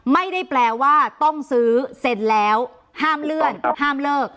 ไม่ได้แปลว่าต้องซื้อเซ็นแล้วห้ามเลื่อนห้ามเลิก